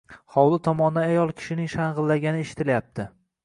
Hovli tomondan ayol kishining shang‘illagani eshitilyapti.